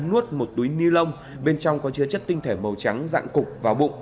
nuốt một túi ni lông bên trong có chứa chất tinh thể màu trắng dạng cục vào bụng